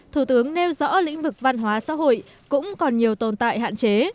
thủ tướng nêu rõ lĩnh vực văn hóa xã hội cũng còn nhiều tồn tại hạn chế